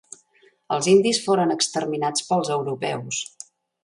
Els indis foren exterminats pels europeus.